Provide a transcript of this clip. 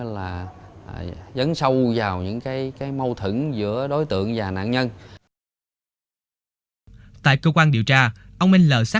lấy gì thì implies